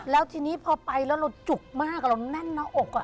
แล้วทีนี้พอไปแล้วเราจุกมากเราแน่นหน้าอก